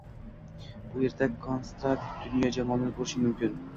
Bu yerda kontrast dunyo jamolini ko‘rishing mumkin